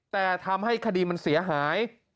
แต่ทำให้คดีมันเสียหาย